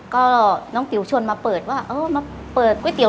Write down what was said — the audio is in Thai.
ก็น้องติ๋วชวนมาเปิดว่าเออมาเปิดก๋วยเตี๋ย